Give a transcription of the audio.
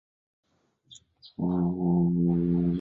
瑟米利。